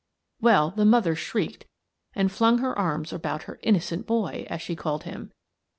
Well, the mother shrieked and flung her arms about her " innocent boy," as she called him.